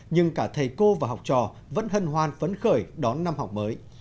nhưng cả thầy cô và học trò vẫn hân hoan phấn khởi đón năm học mới